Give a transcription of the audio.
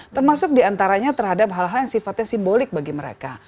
termasuk diantaranya terhadap hal hal yang sifatnya simbolik bagi mereka